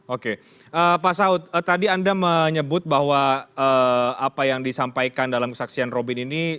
oke pak saud tadi anda menyebut bahwa apa yang disampaikan dalam kesaksian robin ini